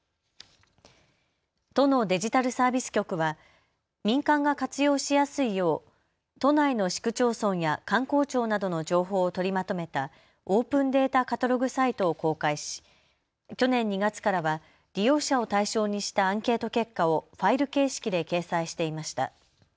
都のデジタルサービス局は民間が活用しやすいよう都内の市区町村や官公庁などの情報を取りまとめたオープンデータカタログサイトを公開し去年２月からは利用者を対象にしたアンケート結果をファイル形式で掲載していました。